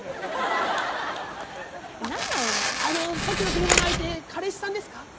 さっきの電話の相手彼氏さんですか？